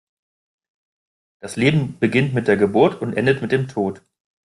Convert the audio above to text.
Das Leben beginnt mit der Geburt und endet mit dem Tod.